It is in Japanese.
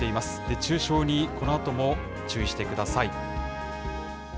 熱中症にこのあとも注意してください。